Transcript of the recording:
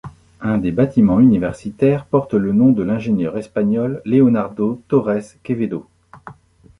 Un des bâtiments universitaires porte le nom de l'ingénieur espagnol Leonardo Torres Quevedo.